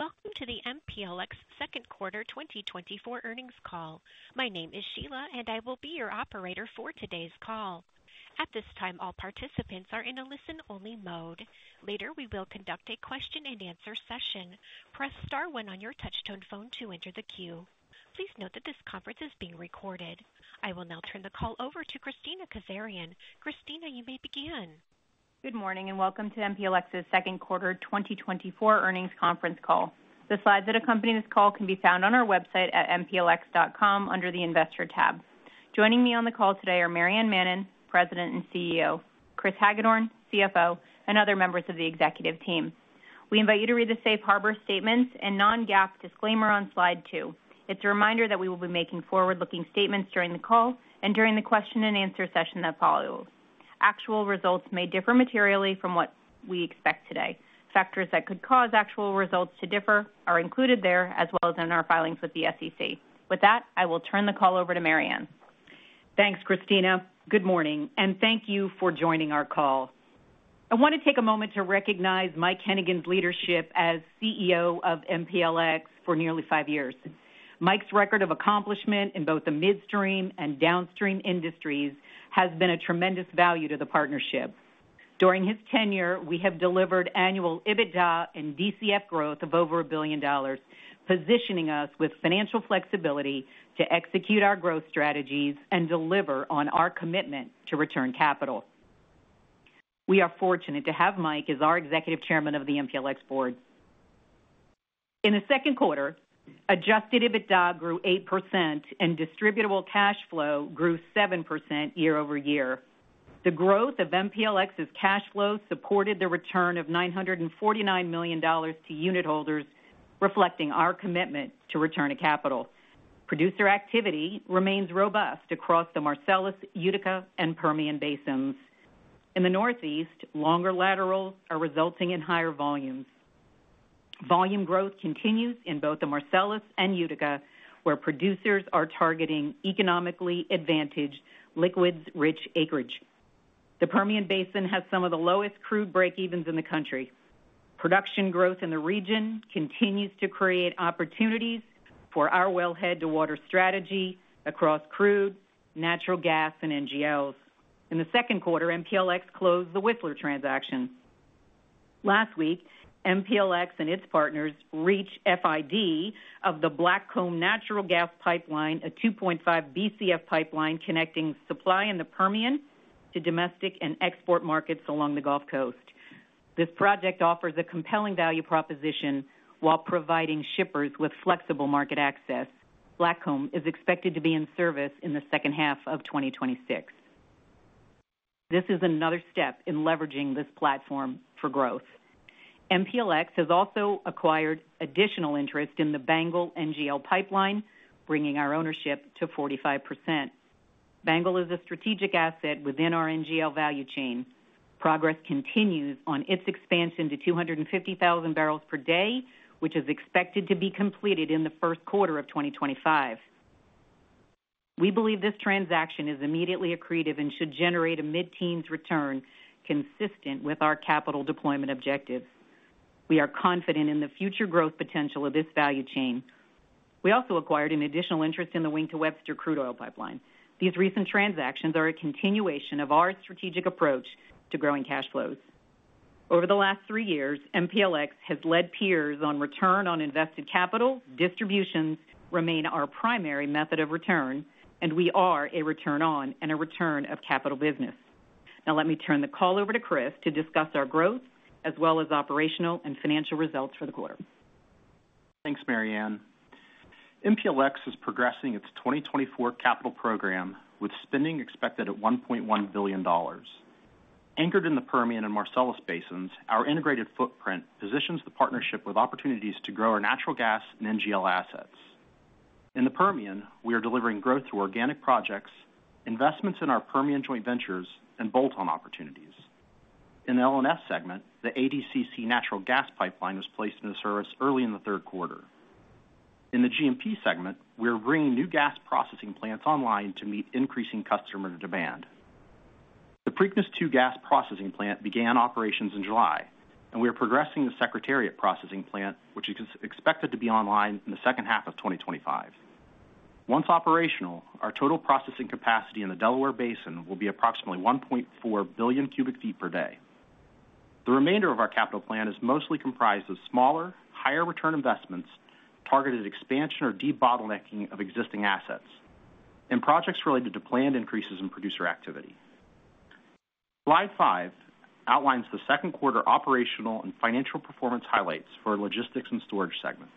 Welcome to the MPLX Second Quarter 2024 Earnings Call. My name is Sheila, and I will be your operator for today's call. At this time, all participants are in a listen-only mode. Later, we will conduct a question-and-answer session. Press Star one on your touchtone phone to enter the queue. Please note that this conference is being recorded. I will now turn the call over to Kristina Kazarian. Kristina, you may begin. Good morning, and welcome to MPLX's second quarter 2024 earnings conference call. The slides that accompany this call can be found on our website at mplx.com under the Investor tab. Joining me on the call today are Maryann Mannen, President and CEO, Chris Hagedorn, CFO, and other members of the executive team. We invite you to read the Safe Harbor statements and non-GAAP disclaimer on slide two. It's a reminder that we will be making forward-looking statements during the call and during the question-and-answer session that follows. Actual results may differ materially from what we expect today. Factors that could cause actual results to differ are included there, as well as in our filings with the SEC. With that, I will turn the call over to Maryann. Thanks, Kristina. Good morning, and thank you for joining our call. I want to take a moment to recognize Mike Hennigan's leadership as CEO of MPLX for nearly five years. Mike's record of accomplishment in both the midstream and downstream industries has been a tremendous value to the partnership. During his tenure, we have delivered annual EBITDA and DCF growth of over $1 billion, positioning us with financial flexibility to execute our growth strategies and deliver on our commitment to return capital. We are fortunate to have Mike as our Executive Chairman of the MPLX board. In the second quarter, adjusted EBITDA grew 8% and distributable cash flow grew 7% year-over-year. The growth of MPLX's cash flow supported the return of $949 million to unit holders, reflecting our commitment to return of capital. Producer activity remains robust across the Marcellus, Utica, and Permian Basins. In the Northeast, longer laterals are resulting in higher volumes. Volume growth continues in both the Marcellus and Utica, where producers are targeting economically advantaged, liquids-rich acreage. The Permian Basin has some of the lowest crude breakevens in the country. Production growth in the region continues to create opportunities for our wellhead-to-water strategy across crude, natural gas, and NGLs. In the second quarter, MPLX closed the Whistler transaction. Last week, MPLX and its partners reached FID of the Blackcomb Natural Gas Pipeline, a 2.5 BCF pipeline connecting supply in the Permian to domestic and export markets along the Gulf Coast. This project offers a compelling value proposition while providing shippers with flexible market access. Blackcomb is expected to be in service in the second half of 2026. This is another step in leveraging this platform for growth. MPLX has also acquired additional interest in the BANGL NGL Pipeline, bringing our ownership to 45%. BANGL is a strategic asset within our NGL value chain. Progress continues on its expansion to 250,000 barrels per day, which is expected to be completed in the first quarter of 2025. We believe this transaction is immediately accretive and should generate a mid-teens return consistent with our capital deployment objectives. We are confident in the future growth potential of this value chain. We also acquired an additional interest in the Wink to Webster Crude Oil Pipeline. These recent transactions are a continuation of our strategic approach to growing cash flows. Over the last three years, MPLX has led peers on return on invested capital. Distributions remain our primary method of return, and we are a return on and a return of capital business. Now, let me turn the call over to Chris to discuss our growth as well as operational and financial results for the quarter. Thanks, Maryann. MPLX is progressing its 2024 capital program, with spending expected at $1.1 billion. Anchored in the Permian and Marcellus Basins, our integrated footprint positions the partnership with opportunities to grow our natural gas and NGL assets. In the Permian, we are delivering growth through organic projects, investments in our Permian joint ventures, and bolt-on opportunities. In the L&S segment, the ADCC natural gas pipeline was placed into service early in the third quarter. In the G&P segment, we are bringing new gas processing plants online to meet increasing customer demand. The Preakness II gas processing plant began operations in July, and we are progressing the Secretariat processing plant, which is expected to be online in the second half of 2025. Once operational, our total processing capacity in the Delaware Basin will be approximately 1.4 billion cubic feet per day. The remainder of our capital plan is mostly comprised of smaller, higher-return investments, targeted expansion or debottlenecking of existing assets, and projects related to planned increases in producer activity. Slide 5 outlines the second quarter operational and financial performance highlights for our logistics and storage segment.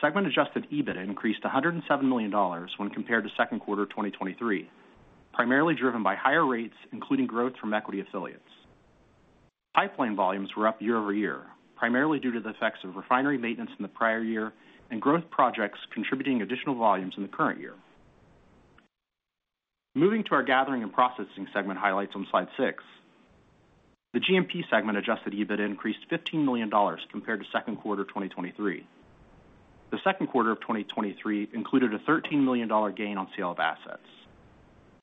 Segment Adjusted EBITDA increased $107 million when compared to second quarter 2023, primarily driven by higher rates, including growth from equity affiliates. Pipeline volumes were up year-over-year, primarily due to the effects of refinery maintenance in the prior year and growth projects contributing additional volumes in the current year. Moving to our gathering and processing segment highlights on Slide 6. The G&P segment Adjusted EBITDA increased $15 million compared to second quarter 2023. The second quarter of 2023 included a $13 million gain on sale of assets.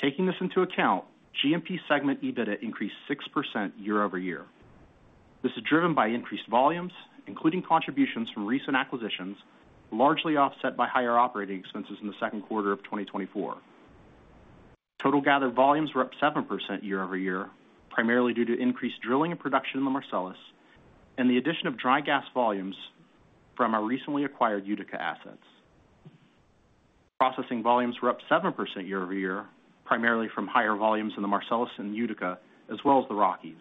Taking this into account, G&P segment EBITDA increased 6% year-over-year. This is driven by increased volumes, including contributions from recent acquisitions, largely offset by higher operating expenses in the second quarter of 2024. Total gathered volumes were up 7% year-over-year, primarily due to increased drilling and production in the Marcellus and the addition of dry gas volumes from our recently acquired Utica assets. Processing volumes were up 7% year-over-year, primarily from higher volumes in the Marcellus and Utica, as well as the Rockies.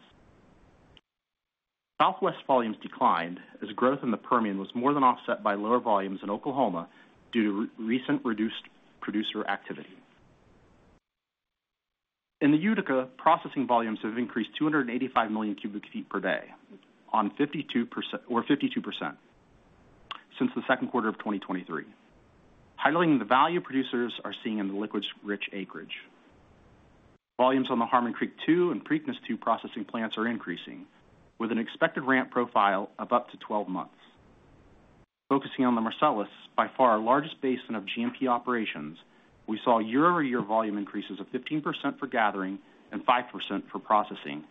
Southwest volumes declined as growth in the Permian was more than offset by lower volumes in Oklahoma due to recent reduced producer activity. In the Utica, processing volumes have increased 285 million cubic feet per day or 52% since the second quarter of 2023, highlighting the value producers are seeing in the liquids-rich acreage. Volumes on the Harmon Creek II and Preakness II processing plants are increasing, with an expected ramp profile of up to 12 months. Focusing on the Marcellus, by far our largest basin of G&P operations, we saw year-over-year volume increases of 15% for gathering and 5% for processing,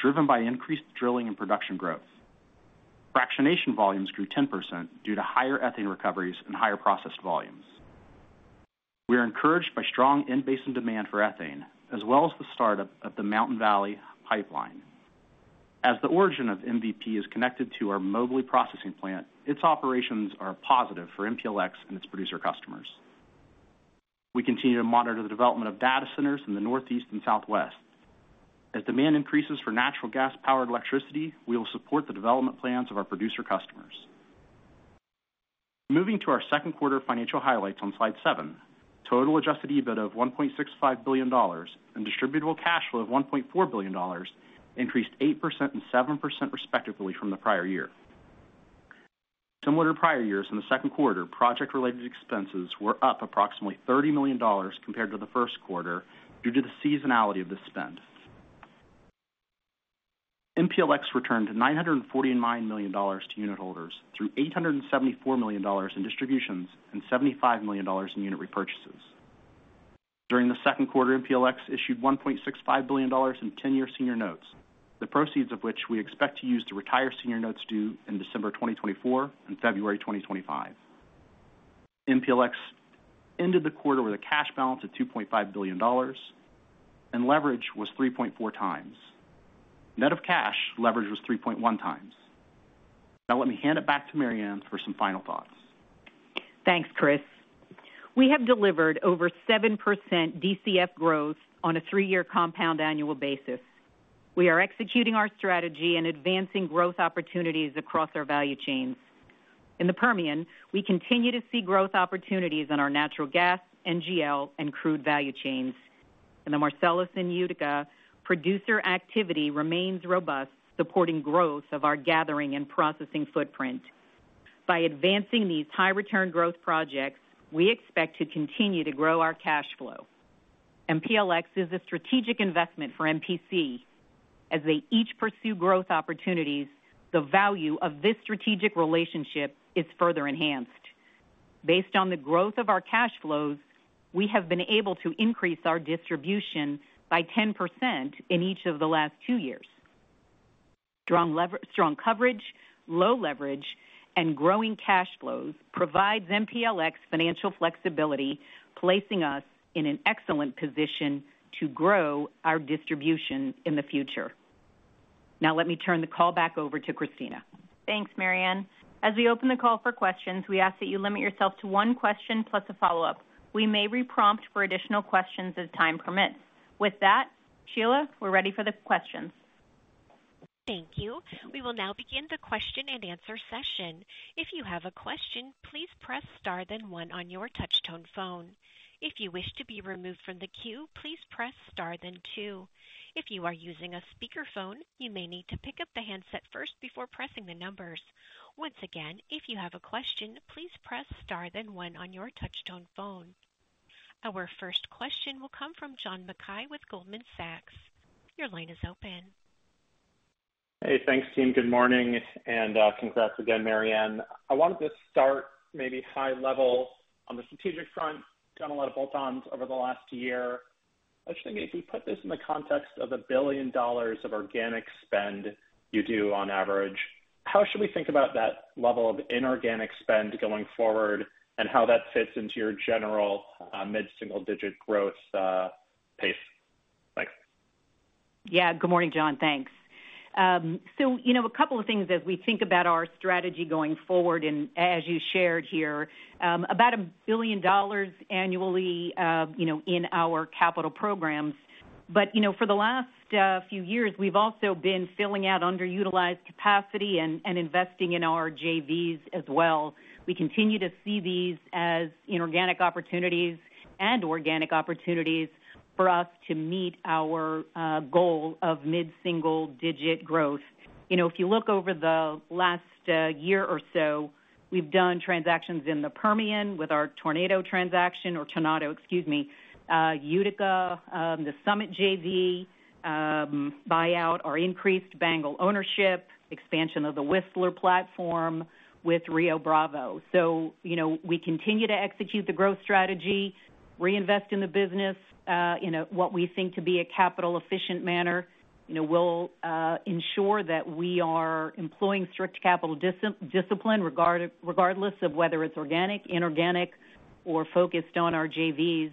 driven by increased drilling and production growth. Fractionation volumes grew 10% due to higher ethane recoveries and higher processed volumes. We are encouraged by strong in-basin demand for ethane, as well as the start of the Mountain Valley Pipeline. As the origin of MVP is connected to our Mobley processing plant, its operations are positive for MPLX and its producer customers. We continue to monitor the development of data centers in the Northeast and Southwest. As demand increases for natural gas-powered electricity, we will support the development plans of our producer customers. Moving to our second quarter financial highlights on slide 7, total Adjusted EBITDA of $1.65 billion and Distributable Cash Flow of $1.4 billion increased 8% and 7%, respectively, from the prior year. Similar to prior years, in the second quarter, project-related expenses were up approximately $30 million compared to the first quarter due to the seasonality of the spend. MPLX returned $949 million to unit holders through $874 million in distributions and $75 million in unit repurchases. During the second quarter, MPLX issued $1.65 billion in ten-year senior notes, the proceeds of which we expect to use to retire senior notes due in December 2024 and February 2025. MPLX ended the quarter with a cash balance of $2.5 billion, and leverage was 3.4 times. Net of cash, leverage was 3.1 times. Now, let me hand it back to Maryann for some final thoughts. Thanks, Chris. We have delivered over 7% DCF growth on a 3-year compound annual basis. We are executing our strategy and advancing growth opportunities across our value chains. In the Permian, we continue to see growth opportunities on our natural gas, NGL, and crude value chains. In the Marcellus and Utica, producer activity remains robust, supporting growth of our gathering and processing footprint. By advancing these high-return growth projects, we expect to continue to grow our cash flow. MPLX is a strategic investment for MPC. As they each pursue growth opportunities, the value of this strategic relationship is further enhanced. Based on the growth of our cash flows, we have been able to increase our distribution by 10% in each of the last 2 years. Strong coverage, low leverage, and growing cash flows provides MPLX financial flexibility, placing us in an excellent position to grow our distribution in the future. Now, let me turn the call back over to Kristina. Thanks, Maryann. As we open the call for questions, we ask that you limit yourself to one question plus a follow-up. We may re-prompt for additional questions as time permits. With that, Sheila, we're ready for the questions. Thank you. We will now begin the question-and-answer session. If you have a question, please press star then one on your touch-tone phone. If you wish to be removed from the queue, please press star, then two. If you are using a speakerphone, you may need to pick up the handset first before pressing the numbers. Once again, if you have a question, please press star then one on your touch-tone phone. Our first question will come from John Mackay with Goldman Sachs. Your line is open. Hey, thanks, team. Good morning, and, congrats again, Maryann. I wanted to start maybe high level on the strategic front. Done a lot of bolt-ons over the last year. I was thinking, if we put this in the context of $1 billion of organic spend you do on average, how should we think about that level of inorganic spend going forward and how that fits into your general, mid-single-digit growth, pace? Thanks. Yeah. Good morning, John. Thanks. So you know, a couple of things as we think about our strategy going forward, and as you shared here, about $1 billion annually, you know, in our capital programs. But, you know, for the last few years, we've also been filling out underutilized capacity and investing in our JVs as well. We continue to see these as inorganic opportunities and organic opportunities for us to meet our goal of mid-single-digit growth. You know, if you look over the last year or so, we've done transactions in the Permian with our Tornado transaction, or Tornado, excuse me, Utica, the Summit JV buyout, our increased BANGL ownership, expansion of the Whistler platform with Rio Bravo. So, you know, we continue to execute the growth strategy, reinvest in the business, in a what we think to be a capital-efficient manner. You know, we'll ensure that we are employing strict capital discipline, regardless of whether it's organic, inorganic, or focused on our JVs,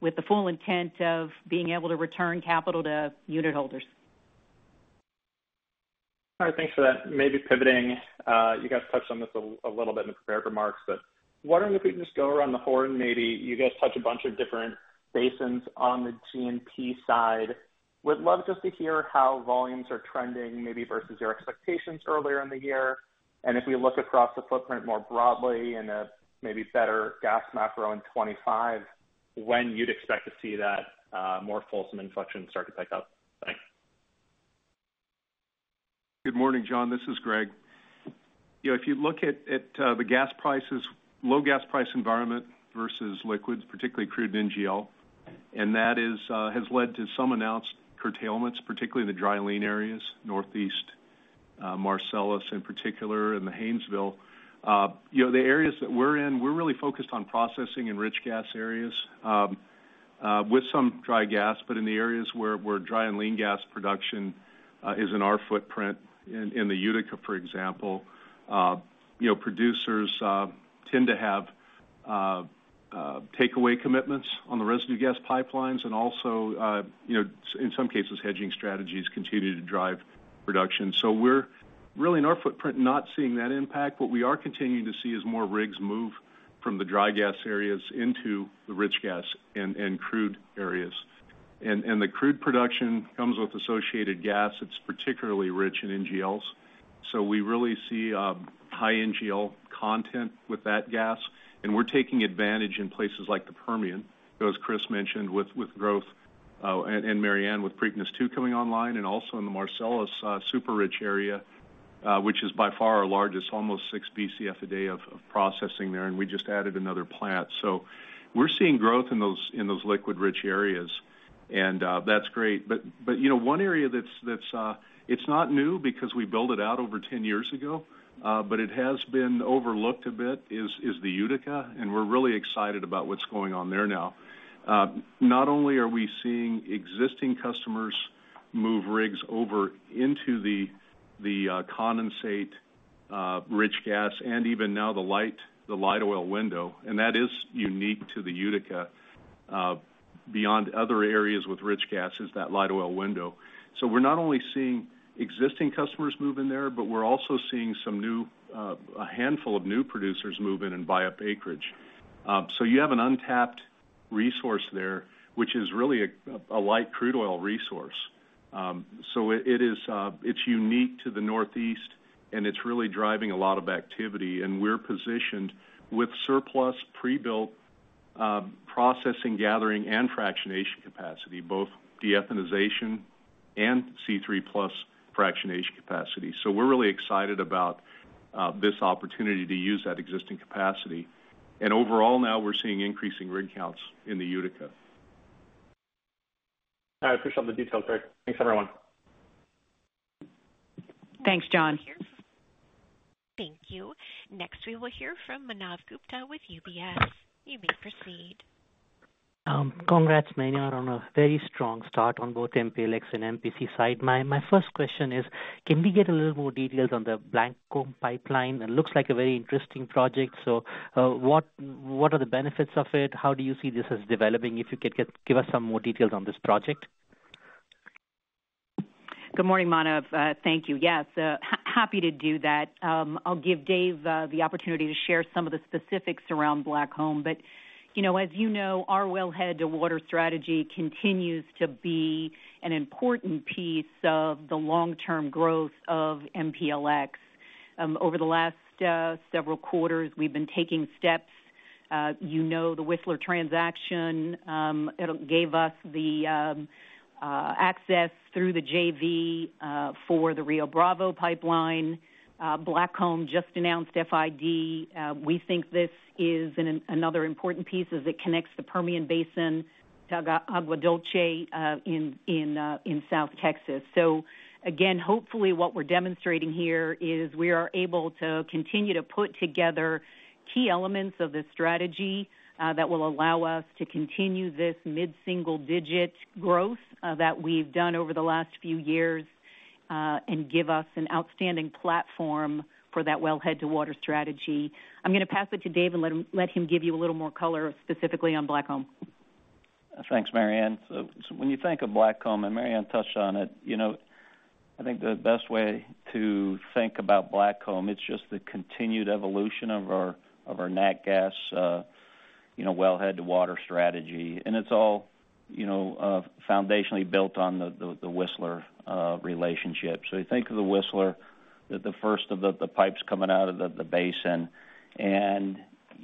with the full intent of being able to return capital to unit holders. All right, thanks for that. Maybe pivoting, you guys touched on this a little bit in the prepared remarks, but wondering if we can just go around the horn. Maybe you guys touch a bunch of different basins on the G&P side. Would love just to hear how volumes are trending, maybe versus your expectations earlier in the year. And if we look across the footprint more broadly in a maybe better gas macro in 2025, when you'd expect to see that more fulsome inflection start to pick up? Thanks. Good morning, John. This is Greg. You know, if you look at the gas prices, low gas price environment versus liquids, particularly crude NGL, and that is has led to some announced curtailments, particularly the dry, lean areas, Northeast, Marcellus in particular, and the Haynesville. You know, the areas that we're in, we're really focused on processing in rich gas areas with some dry gas. But in the areas where dry and lean gas production is in our footprint, in the Utica, for example, you know, producers tend to have takeaway commitments on the residue gas pipelines and also, you know, in some cases, hedging strategies continue to drive production. So we're really, in our footprint, not seeing that impact. What we are continuing to see is more rigs move from the dry gas areas into the rich gas and crude areas. And the crude production comes with associated gas that's particularly rich in NGLs. So we really see high NGL content with that gas, and we're taking advantage in places like the Permian, you know, as Chris mentioned, with growth and Maryann, with Preakness II coming online, and also in the Marcellus super-rich area, which is by far our largest, almost 6 Bcf a day of processing there, and we just added another plant. So we're seeing growth in those liquid-rich areas, and that's great. But, you know, one area that's, it's not new because we built it out over 10 years ago, but it has been overlooked a bit, is the Utica, and we're really excited about what's going on there now. Not only are we seeing existing customers move rigs over into the condensate rich gas, and even now the light oil window, and that is unique to the Utica, beyond other areas with rich gas is that light oil window. So we're not only seeing existing customers move in there, but we're also seeing some new, a handful of new producers move in and buy up acreage. So you have an untapped resource there, which is really a light crude oil resource. So it is unique to the Northeast, and it's really driving a lot of activity, and we're positioned with surplus, pre-built, processing, gathering, and fractionation capacity, both de-ethanization and C3+ fractionation capacity. So we're really excited about this opportunity to use that existing capacity. And overall, now we're seeing increasing rig counts in the Utica. I appreciate all the details, Greg. Thanks, everyone. Thanks, John. Thank you. Next, we will hear from Manav Gupta with UBS. You may proceed. Congrats, Mary, on a very strong start on both MPLX and MPC side. My first question is, can we get a little more details on the Blackcomb Pipeline? It looks like a very interesting project, so what are the benefits of it? How do you see this as developing? If you could give us some more details on this project. Good morning, Manav. Thank you. Yes, happy to do that. I'll give Dave the opportunity to share some of the specifics around Blackcomb. But, you know, as you know, our wellhead-to-water strategy continues to be an important piece of the long-term growth of MPLX. Over the last several quarters, we've been taking steps, you know, the Whistler transaction, it gave us the access through the JV for the Rio Bravo pipeline. Blackcomb just announced FID. We think this is another important piece as it connects the Permian Basin to Agua Dulce in South Texas. So again, hopefully, what we're demonstrating here is we are able to continue to put together key elements of the strategy that will allow us to continue this mid-single-digit growth that we've done over the last few years and give us an outstanding platform for that wellhead-to-water strategy. I'm gonna pass it to Dave and let him give you a little more color, specifically on Blackcomb. Thanks, Maryann. So when you think of Blackcomb, and Maryann touched on it, you know, I think the best way to think about Blackcomb, it's just the continued evolution of our, of our nat gas, you know, wellhead to water strategy. And it's all, you know, foundationally built on the Whistler relationship. So you think of the Whistler, the first of the pipes coming out of the basin, and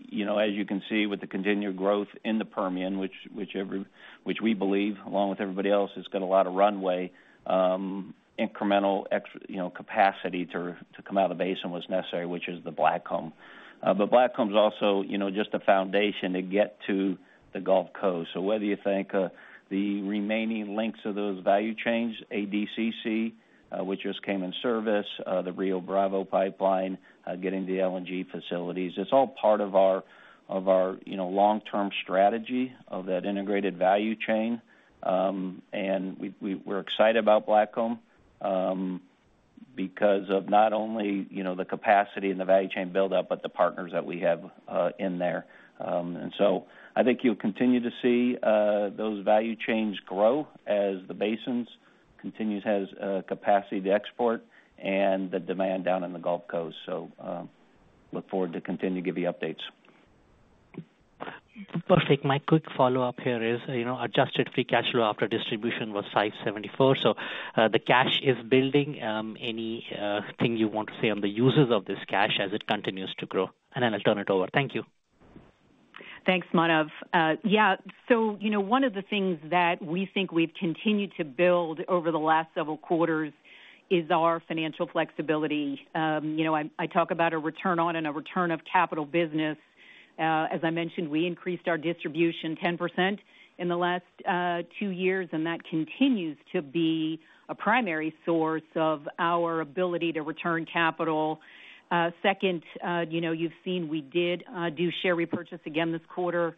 you know, as you can see, with the continued growth in the Permian, which we believe, along with everybody else, has got a lot of runway, incremental, you know, capacity to come out of the basin was necessary, which is the Blackcomb. But Blackcomb's also, you know, just a foundation to get to the Gulf Coast. So whether you think the remaining links of those value chains, ADCC, which just came into service, the Rio Bravo Pipeline, getting the LNG facilities, it's all part of our, you know, long-term strategy of that integrated value chain. And we're excited about Blackcomb, because of not only, you know, the capacity and the value chain buildup, but the partners that we have in there. And so I think you'll continue to see those value chains grow as the basins continues, has capacity to export and the demand down in the Gulf Coast. So, look forward to continue to give you updates. Perfect. My quick follow-up here is, you know, adjusted free cash flow after distribution was $574, so, the cash is building. Anything you want to say on the uses of this cash as it continues to grow? And then I'll turn it over. Thank you. Thanks, Manav. Yeah, so you know, one of the things that we think we've continued to build over the last several quarters is our financial flexibility. You know, I, I talk about a return on and a return of capital business. As I mentioned, we increased our distribution 10% in the last, two years, and that continues to be a primary source of our ability to return capital. Second, you know, you've seen we did, do share repurchase again this quarter.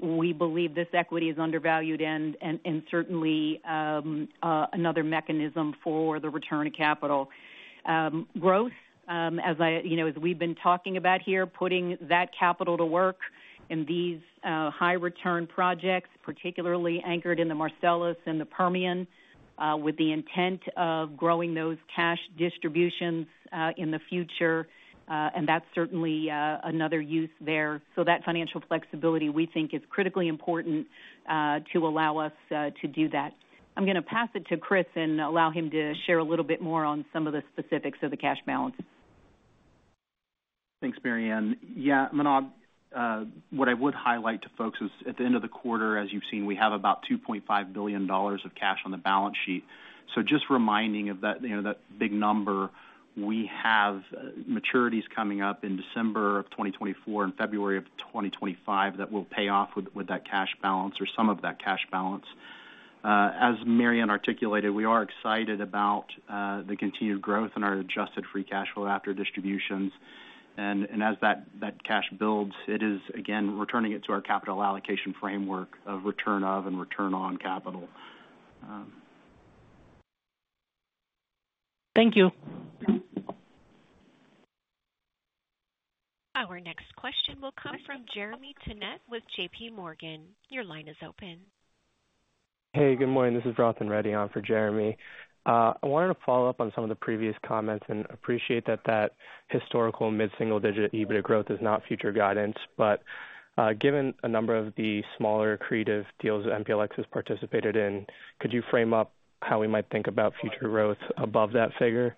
We believe this equity is undervalued and, and, and certainly, another mechanism for the return of capital. Growth, as I, you know, as we've been talking about here, putting that capital to work in these, high return projects, particularly anchored in the Marcellus and the Permian, with the intent of growing those cash distributions, in the future, and that's certainly, another use there. So that financial flexibility, we think, is critically important, to allow us, to do that. I'm gonna pass it to Chris and allow him to share a little bit more on some of the specifics of the cash balance. Thanks, Maryann. Yeah, Manav, what I would highlight to folks is, at the end of the quarter, as you've seen, we have about $2.5 billion of cash on the balance sheet. So just reminding of that, you know, that big number, we have maturities coming up in December of 2024 and February of 2025 that will pay off with that cash balance or some of that cash balance. As Mary Anne articulated, we are excited about the continued growth in our adjusted free cash flow after distributions. And as that cash builds, it is, again, returning it to our capital allocation framework of return of and return on capital. Thank you. Our next question will come from Jeremy Tonet with JPMorgan. Your line is open. Hey, good morning. This is Vrathan Reddy on for Jeremy. I wanted to follow up on some of the previous comments, and appreciate that that historical mid-single-digit EBITDA growth is not future guidance. But, given a number of the smaller accretive deals MPLX has participated in, could you frame up how we might think about future growth above that figure,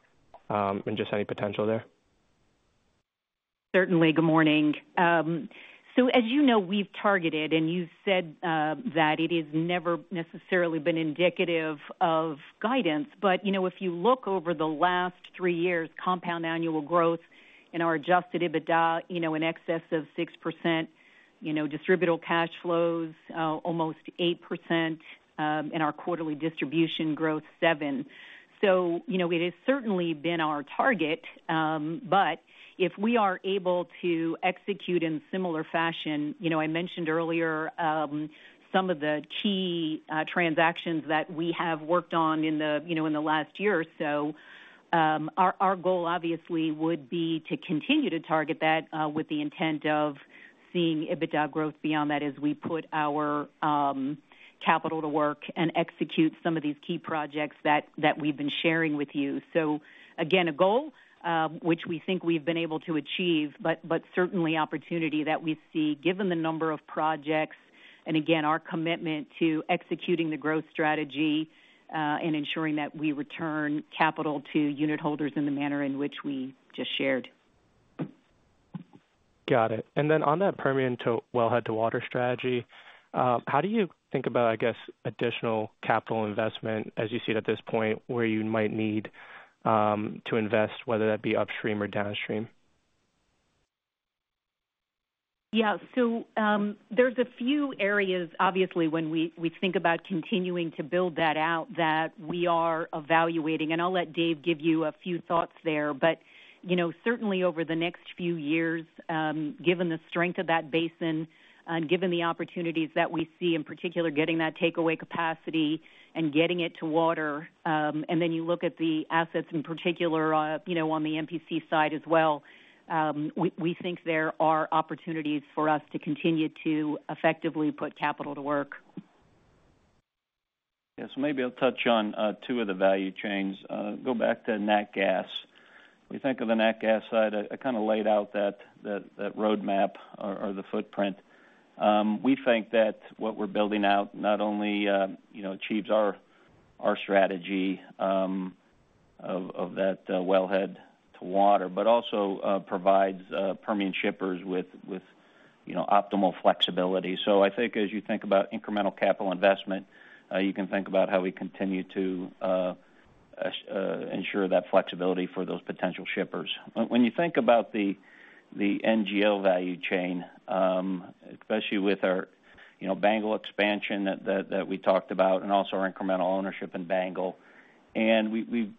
and just any potential there? Certainly. Good morning. So as you know, we've targeted, and you've said, that it has never necessarily been indicative of guidance. But, you know, if you look over the last three years, compound annual growth in our Adjusted EBITDA, you know, in excess of 6%, you know, distributable cash flows, almost 8%, and our quarterly distribution growth, 7%. So, you know, it has certainly been our target, but if we are able to execute in similar fashion, you know, I mentioned earlier, some of the key, transactions that we have worked on in the, you know, in the last year or so. Our goal, obviously, would be to continue to target that with the intent of seeing EBITDA growth beyond that as we put our capital to work and execute some of these key projects that we've been sharing with you. So again, a goal which we think we've been able to achieve, but certainly opportunity that we see given the number of projects, and again, our commitment to executing the growth strategy and ensuring that we return capital to unitholders in the manner in which we just shared. Got it. And then on that Permian to wellhead to water strategy, how do you think about, I guess, additional capital investment as you see it at this point, where you might need to invest, whether that be upstream or downstream? Yeah. So, there's a few areas, obviously, when we think about continuing to build that out, that we are evaluating, and I'll let Dave give you a few thoughts there. But, you know, certainly over the next few years, given the strength of that basin, and given the opportunities that we see, in particular, getting that takeaway capacity and getting it to water, and then you look at the assets in particular, you know, on the MPC side as well, we think there are opportunities for us to continue to effectively put capital to work. Yes, maybe I'll touch on two of the value chains. Go back to nat gas. We think of the nat gas side, I kind of laid out that roadmap or the footprint. We think that what we're building out not only you know achieves our strategy of that wellhead to water, but also provides Permian shippers with you know optimal flexibility. So I think as you think about incremental capital investment, you can think about how we continue to ensure that flexibility for those potential shippers. When you think about the NGL value chain, especially with our, you know, BANGL expansion that we talked about and also our incremental ownership in BANGL, and we've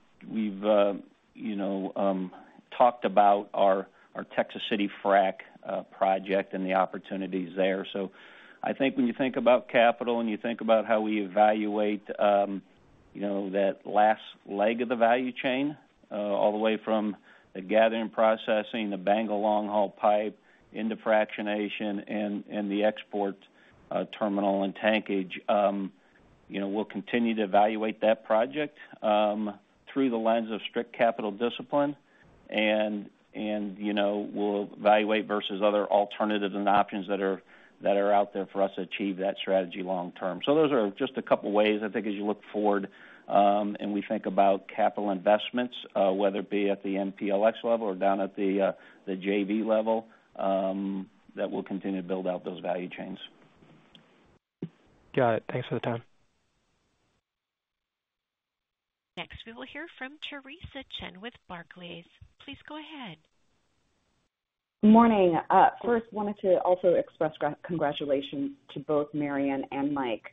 you know talked about our Texas City Frac project and the opportunities there. So I think when you think about capital and you think about how we evaluate, you know, that last leg of the value chain, all the way from the gathering, processing, the BANGL long-haul pipe into fractionation and the export terminal and tankage, you know, we'll continue to evaluate that project through the lens of strict capital discipline, and you know, we'll evaluate versus other alternatives and options that are out there for us to achieve that strategy long term. So those are just a couple of ways, I think, as you look forward, and we think about capital investments, whether it be at the MPLX level or down at the JV level, that we'll continue to build out those value chains. Got it. Thanks for the time. Next, we will hear from Theresa Chen with Barclays. Please go ahead. Morning. First, wanted to also express congratulations to both Maryann and Mike.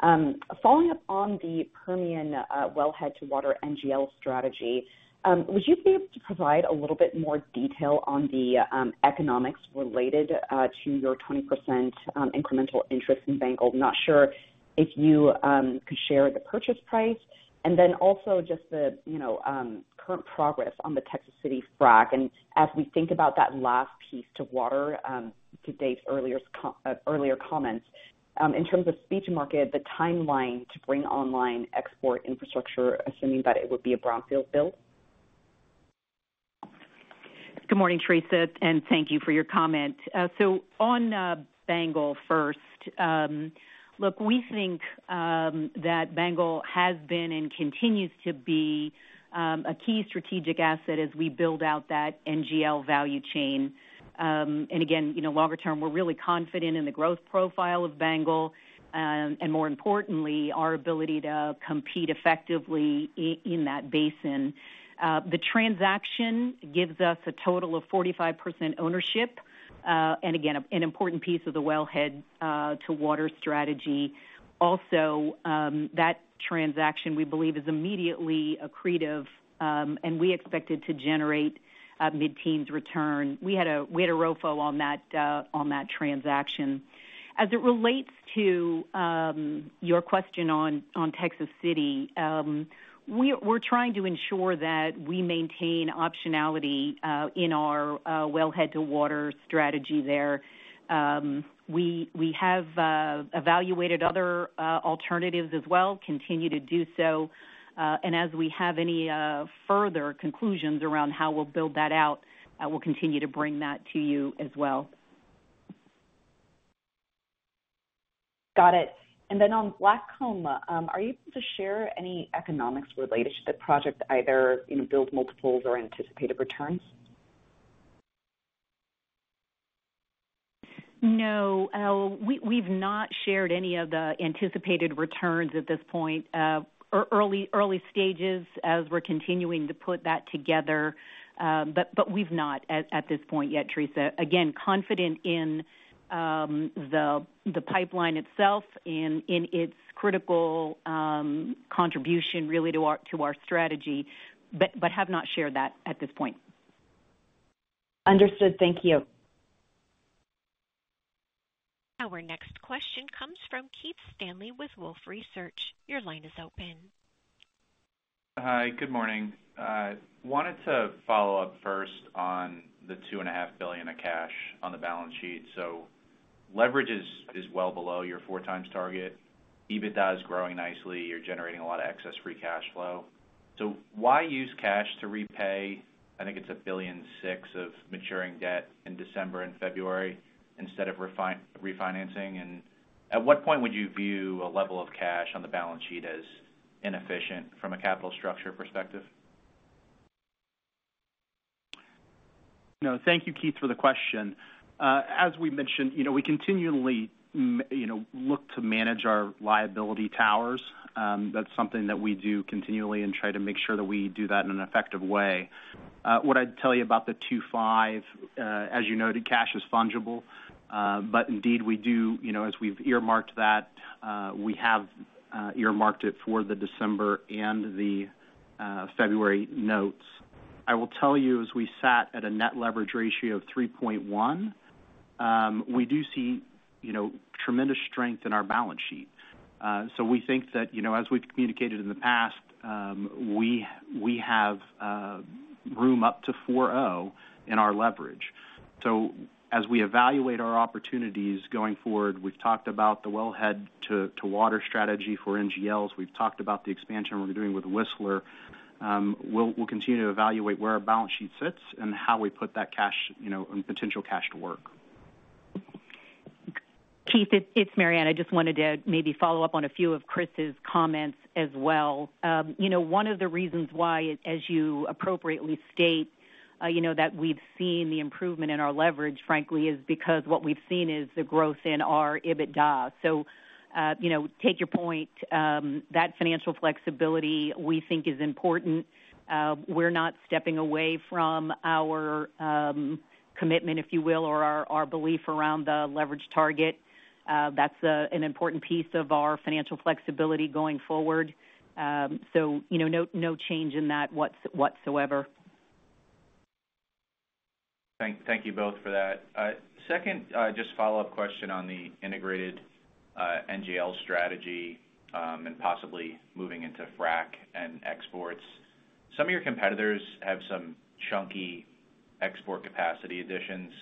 Following up on the Permian wellhead to water NGL strategy, would you be able to provide a little bit more detail on the economics related to your 20% incremental interest in BANGL? I'm not sure if you could share the purchase price, and then also just the, you know, current progress on the Texas City Frac. And as we think about that last piece to water, to Dave's earlier comments, in terms of spot market, the timeline to bring online export infrastructure, assuming that it would be a brownfield build? Good morning, Theresa, and thank you for your comment. So on BANGL first, look, we think that BANGL has been and continues to be a key strategic asset as we build out that NGL value chain. And again, you know, longer term, we're really confident in the growth profile of BANGL, and more importantly, our ability to compete effectively in that basin. The transaction gives us a total of 45% ownership, and again, an important piece of the wellhead-to-water strategy. Also, that transaction, we believe, is immediately accretive, and we expect it to generate a mid-teens return. We had a ROFO on that, on that transaction. As it relates to your question on Texas City, we're trying to ensure that we maintain optionality in our wellhead to water strategy there. We have evaluated other alternatives as well, continue to do so, and as we have any further conclusions around how we'll build that out, we'll continue to bring that to you as well. Got it. And then on Blackcomb, are you able to share any economics related to the project, either, you know, build multiples or anticipated returns? No, we've not shared any of the anticipated returns at this point. Early stages as we're continuing to put that together, but we've not at this point yet, Theresa. Again, confident in the pipeline itself and in its critical contribution really to our strategy, but have not shared that at this point. Understood. Thank you. Our next question comes from Keith Stanley with Wolfe Research. Your line is open. Hi, good morning. Wanted to follow up first on the $2.5 billion of cash on the balance sheet. So leverage is well below your 4x target. EBITDA is growing nicely. You're generating a lot of excess free cash flow. So why use cash to repay? I think it's $1.6 billion of maturing debt in December and February instead of refinancing. And at what point would you view a level of cash on the balance sheet as inefficient from a capital structure perspective? No, thank you, Keith, for the question. As we mentioned, you know, we continually, you know, look to manage our liability towers. That's something that we do continually and try to make sure that we do that in an effective way. What I'd tell you about the 2.5, as you noted, cash is fungible, but indeed, we do, you know, as we've earmarked that, we have earmarked it for the December and the February notes. I will tell you, as we sat at a net leverage ratio of 3.1, we do see, you know, tremendous strength in our balance sheet. So we think that, you know, as we've communicated in the past, we, we have room up to 4.0 in our leverage. So as we evaluate our opportunities going forward, we've talked about the wellhead-to-water strategy for NGLs. We've talked about the expansion we're doing with Whistler. We'll continue to evaluate where our balance sheet sits and how we put that cash, you know, and potential cash to work. Keith, it's Maryann. I just wanted to maybe follow up on a few of Chris's comments as well. You know, one of the reasons why, as you appropriately state, you know, that we've seen the improvement in our leverage, frankly, is because what we've seen is the growth in our EBITDA. So, you know, take your point, that financial flexibility, we think is important. We're not stepping away from our commitment, if you will, or our belief around the leverage target. That's an important piece of our financial flexibility going forward. So, you know, no, no change in that whatsoever. Thank you both for that. Second, just follow-up question on the integrated NGL strategy and possibly moving into frac and exports. Some of your competitors have some chunky export capacity additions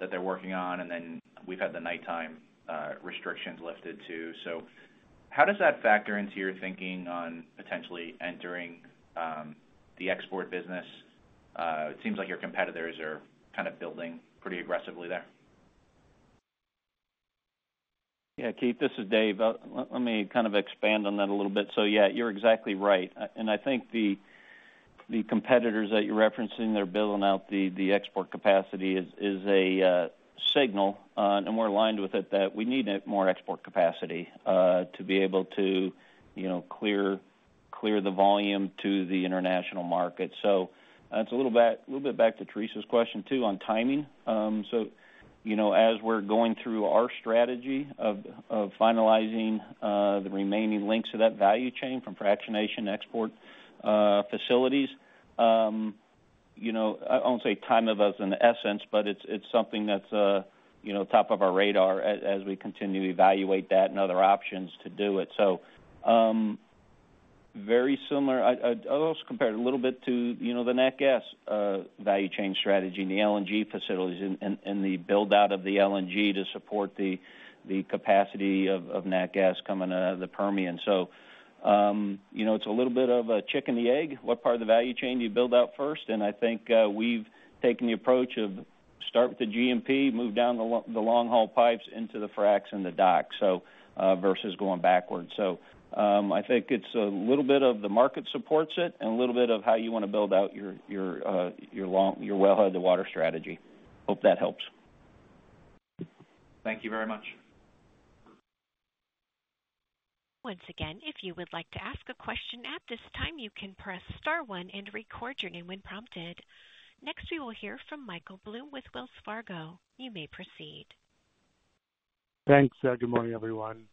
that they're working on, and then we've had the nighttime restrictions lifted, too. So how does that factor into your thinking on potentially entering the export business? It seems like your competitors are kind of building pretty aggressively there. Yeah, Keith, this is Dave. Let me kind of expand on that a little bit. So, yeah, you're exactly right. And I think the competitors that you're referencing, they're building out the export capacity is a signal, and we're aligned with it, that we need more export capacity to be able to, you know, clear the volume to the international market. So it's a little bit back to Theresa's question, too, on timing. So, you know, as we're going through our strategy of finalizing the remaining links to that value chain from fractionation to export facilities, you know, I won't say timeline in essence, but it's something that's, you know, top of our radar as we continue to evaluate that and other options to do it. So, very similar. I'll also compare it a little bit to, you know, the nat gas value chain strategy and the LNG facilities and, and, and the build-out of the LNG to support the, the capacity of, of nat gas coming out of the Permian. So, you know, it's a little bit of a chicken and the egg. What part of the value chain do you build out first? And I think, we've taken the approach of start with the G&P, move down the long-haul pipes into the fracs and the docks, so, versus going backwards. So, I think it's a little bit of the market supports it and a little bit of how you want to build out your wellhead-to-water strategy. Hope that helps. Thank you very much. Once again, if you would like to ask a question at this time, you can press star one and record your name when prompted. Next, we will hear from Michael Blum with Wells Fargo. You may proceed. Thanks. Good morning, everyone.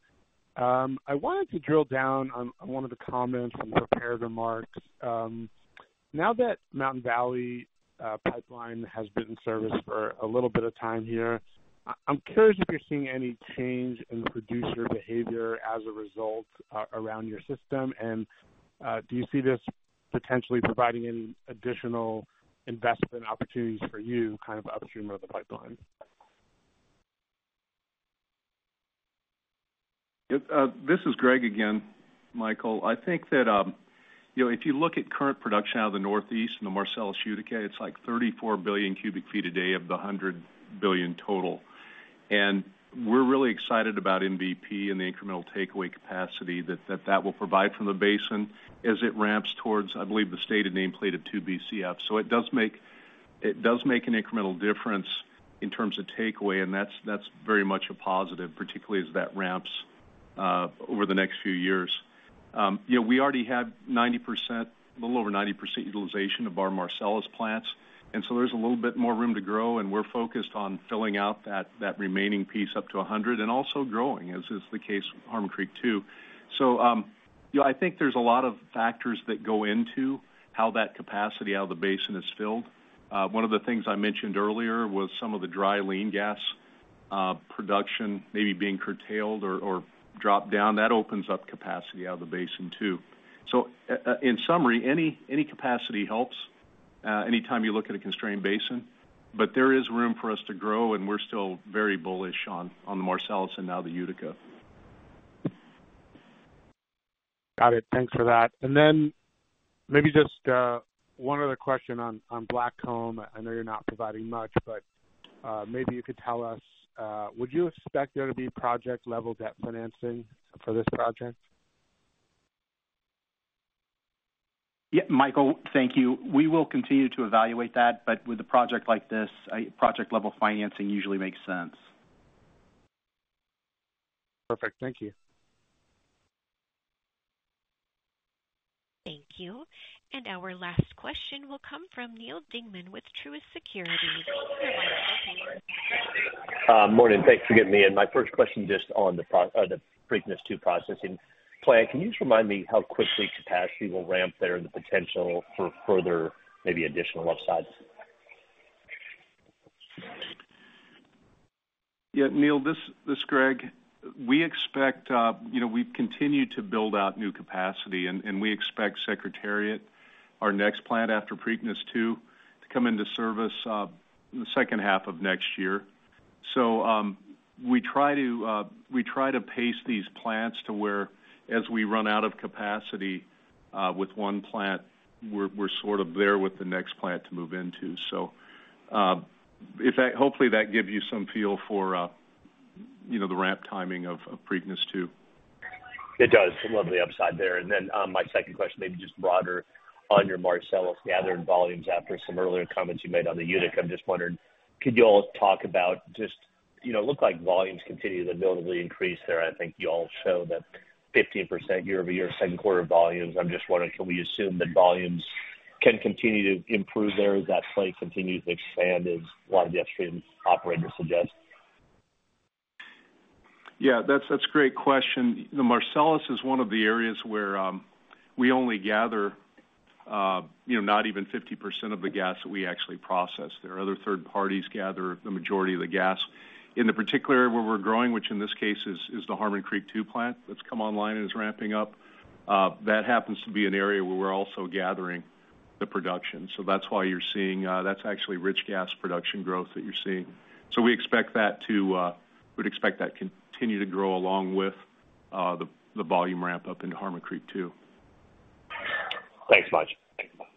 I wanted to drill down on one of the comments from prepared remarks. Now that Mountain Valley Pipeline has been in service for a little bit of time here, I'm curious if you're seeing any change in the producer behavior as a result around your system, and do you see this potentially providing an additional investment opportunities for you, kind of upstream of the pipeline? Yep, this is Greg again, Michael. I think that, you know, if you look at current production out of the Northeast and the Marcellus Utica, it's like 34 billion cubic feet a day of the 100 billion total. And we're really excited about MVP and the incremental takeaway capacity that, that that will provide from the basin as it ramps towards, I believe, the stated nameplate of 2 BCF. So it does make, it does make an incremental difference in terms of takeaway, and that's, that's very much a positive, particularly as that ramps over the next few years. Yeah, we already have 90%—a little over 90% utilization of our Marcellus plants, and so there's a little bit more room to grow, and we're focused on filling out that remaining piece up to 100, and also growing, as is the case with Harmon Creek II. So, you know, I think there's a lot of factors that go into how that capacity out of the basin is filled. One of the things I mentioned earlier was some of the dry lean gas production maybe being curtailed or dropped down. That opens up capacity out of the basin, too. So in summary, any capacity helps, anytime you look at a constrained basin, but there is room for us to grow, and we're still very bullish on the Marcellus and now the Utica. Got it. Thanks for that. And then maybe just one other question on Blackcomb. I know you're not providing much, but maybe you could tell us, would you expect there to be project-level debt financing for this project? Yeah, Michael, thank you. We will continue to evaluate that, but with a project like this, project-level financing usually makes sense. Perfect. Thank you. Thank you. Our last question will come from Neal Dingmann with Truist Securities. Morning. Thanks for getting me in. My first question, just on the Preakness II processing plant. Can you just remind me how quickly capacity will ramp there and the potential for further, maybe additional upsides? Yeah, Neil, this, this is Greg. We expect, you know, we've continued to build out new capacity, and we expect Secretariat, our next plant after Preakness II, to come into service in the second half of next year. So, we try to pace these plants to where, as we run out of capacity with one plant, we're sort of there with the next plant to move into. So, if that hopefully, that gives you some feel for, you know, the ramp timing of Preakness II. It does. Lovely upside there. And then, my second question, maybe just broader on your Marcellus gathering volumes after some earlier comments you made on the Utica. I'm just wondering, could you all talk about just... You know, it looked like volumes continued to notably increase there. I think you all show that 15% year-over-year, second quarter volumes. I'm just wondering, can we assume that volumes can continue to improve there as that play continues to expand, as a lot of the upstream operators suggest? Yeah, that's, that's a great question. The Marcellus is one of the areas where, we only gather, you know, not even 50% of the gas that we actually process. There are other third parties gather the majority of the gas. In the particular area where we're growing, which in this case is the Harmon Creek II plant that's come online and is ramping up, that happens to be an area where we're also gathering the production. So that's why you're seeing, that's actually rich gas production growth that you're seeing. So we expect that to, we'd expect that continue to grow along with, the volume ramp up in Harmon Creek II. Thanks much. Thanks a lot.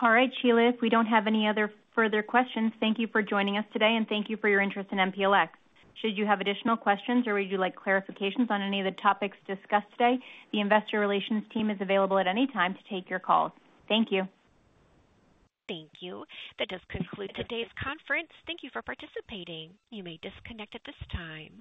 All right, Sheila, if we don't have any other further questions, thank you for joining us today, and thank you for your interest in MPLX. Should you have additional questions or would you like clarifications on any of the topics discussed today, the investor relations team is available at any time to take your call. Thank you. Thank you. That does conclude today's conference. Thank you for participating. You may disconnect at this time.